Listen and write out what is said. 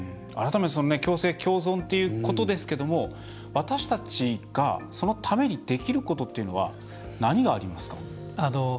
改めて共生共存ということですけども私たちがそのためにできることっていうのは何がありますか？